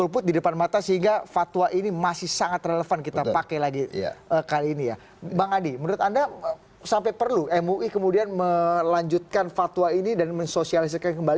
kami akan segera jawab